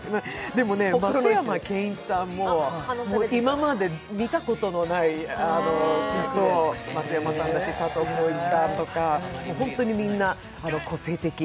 でもね、松山ケンイチさんも今まで見たことのない別の松山さんだし、佐藤浩市さんとか本当にみんな個性的。